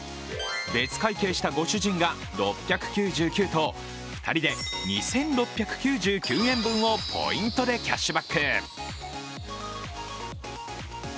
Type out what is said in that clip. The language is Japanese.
別会計したご主人が６９９と、２人で２６９９円分をポイントでキャッシュバック。